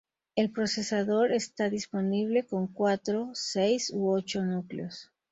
El procesador está disponible con cuatro, seis u ocho núcleos.